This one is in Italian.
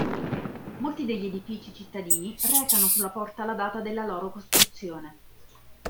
Molti degli edifici cittadini recano sulla porta la data della loro costruzione.